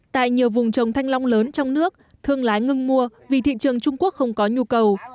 tại nhiều vùng trồng thanh long lớn trong nước thương lái ngưng mua vì thị trường trung quốc không có nhu cầu